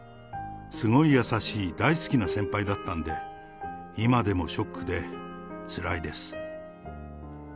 すごい優しい、大好きな先輩だったんで、今でもショックで、つらいです。